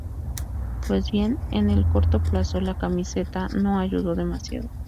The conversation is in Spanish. Pues bien, en el corto plazo la camiseta no ayudó demasiado.